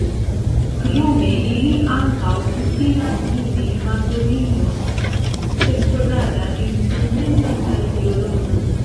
Krome, ili ankaŭ kutimas ludi mandolinon, sepkordan instrumenton kaj violonon.